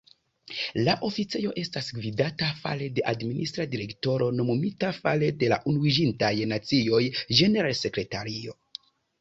La oficejo estas gvidata fare de Administra direktoro nomumita fare de la Unuiĝintaj Nacioj-generalsekretario.